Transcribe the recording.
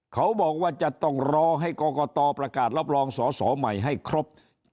เขาบอกว่าจะต้องรอให้กรกตประกาศรับรองสอสอใหม่ให้ครบ